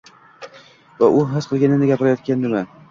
Va u his qilganini gapiryaptimi?